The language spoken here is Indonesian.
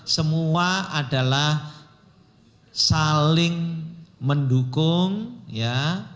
semua adalah saling mendukung ya